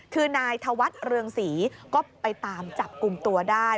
คือนายธวัฒน์เรืองศรีก็ไปตามจับกลุ่มตัวได้